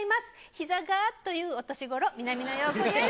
ひざがというお年ごろ、南野陽子です。